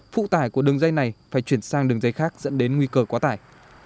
phụ tải của đường dây này phải chuyển sang đường dây khác dẫn đến nguy cơ quá tải